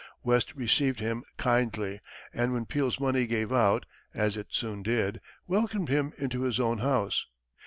West received him kindly, and when Peale's money gave out, as it soon did, welcomed him into his own house.